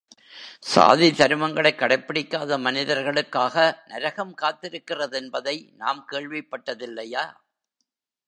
சாதி தருமங்களைக் கடைப்பிடிக்காத மனிதர்களுக்காக நரகம் காத்திருக்கிறதென்பதை நாம் கேள்விப்பட்டதில்லையா?